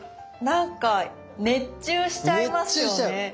なんか熱中しちゃいますよね。